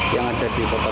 yang ada di kota tegal